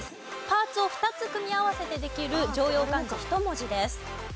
パーツを２つ組み合わせてできる常用漢字１文字です。